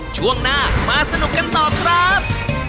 ช่วงหน้ามาสนุกกันต่อครับ